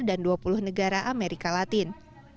dan sepuluh negara amerika latin